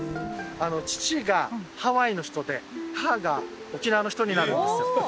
父がハワイの人で母が沖縄の人になるんですよ